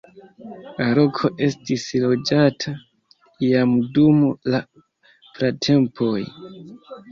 La loko estis loĝata jam dum la pratempoj.